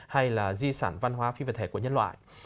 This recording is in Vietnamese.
hay là di sản văn hóa phi vật thể của nhân loại